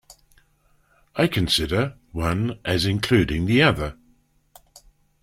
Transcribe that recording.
I consider one as including the other.